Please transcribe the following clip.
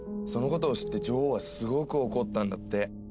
そのことを知って女王はすごく怒ったんだって。